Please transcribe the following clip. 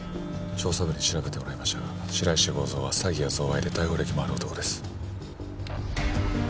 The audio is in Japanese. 調査部に調べてもらいましたが白石剛三は詐欺や贈賄で逮捕歴もある男です。